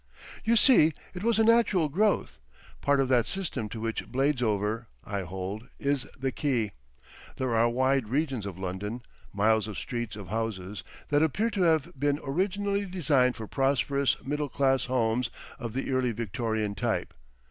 You see it was a natural growth, part of that system to which Bladesover, I hold, is the key. There are wide regions of London, miles of streets of houses, that appear to have been originally designed for prosperous middle class homes of the early Victorian type.